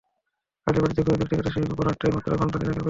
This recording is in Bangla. খালি বাড়িতে খুবই ব্যক্তিগত সেই গোপন আড্ডায় মাত্র ঘণ্টা তিনেকের পরিচয়।